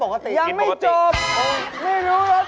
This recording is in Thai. ก่อนอาหารไม่อร่อย